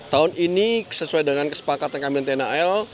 tahun ini sesuai dengan kesepakatan kamil tni al